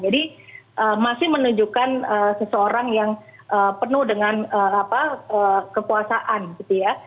jadi masih menunjukkan seseorang yang penuh dengan kekuasaan gitu ya